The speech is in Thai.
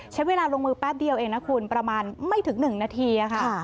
ใช้เวลาลงมือแป๊บเดียวเองนะคุณประมาณไม่ถึง๑นาทีค่ะ